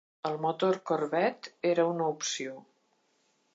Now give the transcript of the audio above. El motor Corvette era una opció.